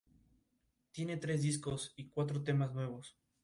En general, su contenido está orientado a la comunidad hispana.